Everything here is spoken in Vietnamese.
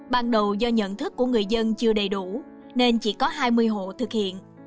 ban đầu do nhận thức của người dân chưa đầy đủ nên chỉ có hai mươi hộ thực hiện